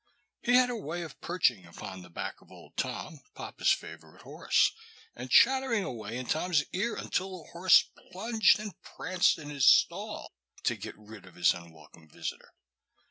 He had a way of perching upon the back of old Tom, papa's favorite horse, and chattering away in Tom's ear until the horse plunged and pranced in his stall to get rid of his unwelcome visitor.